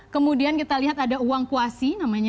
kemudian kita lihat ada uang kuasi namanya